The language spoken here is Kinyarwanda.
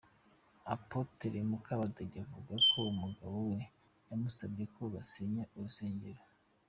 Apôtre Mukabadege avuga ko umugabo we yamusabye ko basenya urusengero.